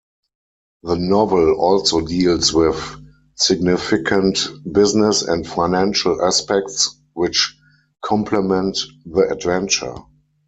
The novel also deals with significant business and financial aspects which complement the adventure.